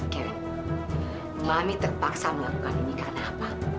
karena mami terpaksa melakukan ini karena apa